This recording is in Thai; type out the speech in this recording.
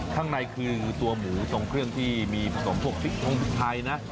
ข้างในคือตัวหมูทรงเครื่องที่มีผสมพวกพริกทงพริกไทยนะ